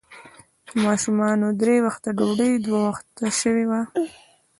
د ماشومانو درې وخته ډوډۍ، دوه وخته شوې وه.